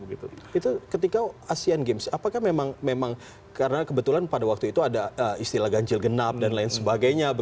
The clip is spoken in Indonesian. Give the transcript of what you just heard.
itu ketika asean games apakah memang karena kebetulan pada waktu itu ada istilah ganjil genap dan lain sebagainya